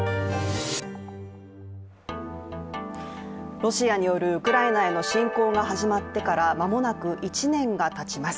ロシアによるウクライナへの侵攻が始まってから間もなく１年がたちます。